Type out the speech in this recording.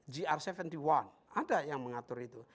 gr tujuh puluh satu ada yang mengatur itu